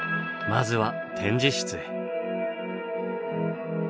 まずは展示室へ。